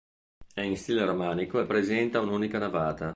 È in stile romanico e presenta un'unica navata.